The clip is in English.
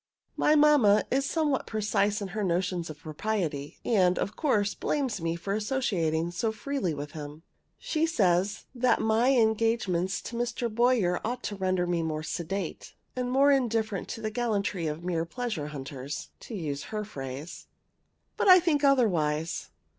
My mamma is somewhat precise in her notions of propriety, and, of course, blames me for associating so freely with him. She says that my engagements to Mr. Boyer ought to render me more sedate, and more indifferent to the gallantry of mere pleasure hunters, to use her phrase. But I think otherwise.